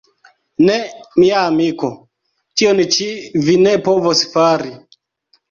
Ne, mia amiko, tion ĉi vi ne povos fari.